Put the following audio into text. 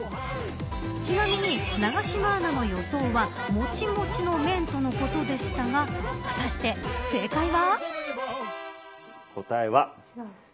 ちなみに永島アナの予想はもちもちの麺とのことでしたが果たして、正解は。